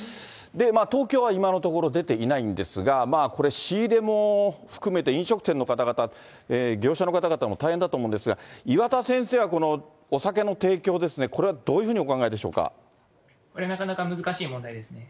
東京は今のところ、出ていないんですが、これ、仕入れも含めて飲食店の方々、業者の方々も大変だと思うんですが、岩田先生はこのお酒の提供ですね、これはどういこれ、なかなか難しい問題ですね。